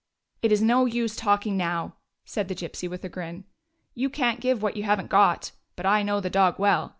" It is no use talking now," said the Gypsy with a grin. " You can't give what you have n't got. But I know the dog well.